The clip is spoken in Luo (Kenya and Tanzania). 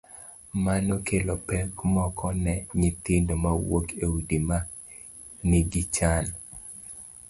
Mano kelo pek moko ne nyithindo mawuok e udi ma nigi chan: